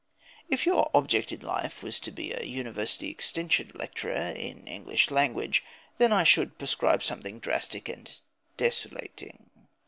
If your object in life was to be a University Extension Lecturer in English literature, then I should prescribe something drastic and desolating.